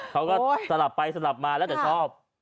สลับไปสลับมาแล้วแต่ชอบ